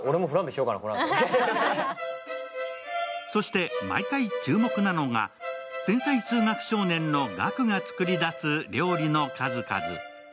そして、毎回注目なのが天才数学少年の岳が作り出す料理の数々。